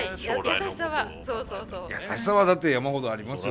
優しさはだって山ほどありますよ。